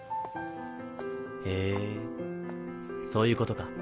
へぇそういうことか。